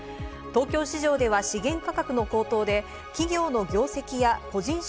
東京市場では資源価格の高騰で企業の業績や個人